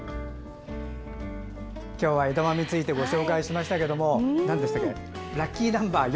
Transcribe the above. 今日は枝豆についてご紹介しましたがなんでしたっけラッキーナンバー４？